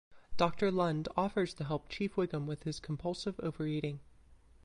Doctor Lund offers to help Chief Wiggum with his compulsive overeating.